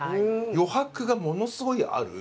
余白がものすごいある。